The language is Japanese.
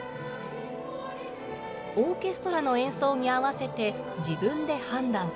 オーケストラの演奏に合わせて自分で判断。